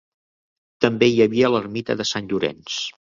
També hi havia l'ermita de Sant Llorenç.